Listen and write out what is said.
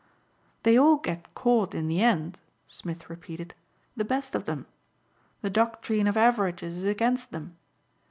"They all get caught in the end," Smith repeated, "the best of them. The doctrine of averages is against them.